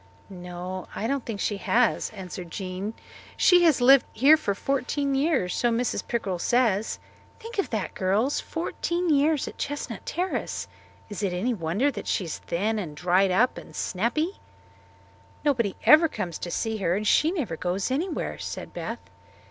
"No, I don't think she has," answered Jean. "She has lived here for fourteen years, so Mrs. Pickrell says. Think of that, girls! Fourteen years at Chestnut Terrace! Is it any wonder that she is thin and dried up and snappy?" "Nobody ever comes to see her and she never goes anywhere," said Beth.